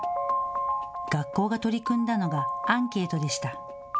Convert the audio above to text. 学校が取り組んだのがアンケートでした。